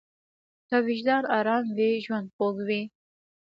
که وجدان ارام وي، ژوند خوږ وي.